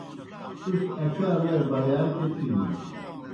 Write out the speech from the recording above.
تُس اچا لئی بَڑِیار کیْہ تِھینوئے؟